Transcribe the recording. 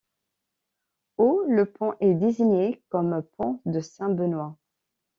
Au le pont est désigné comme pont de Saint-Benoît.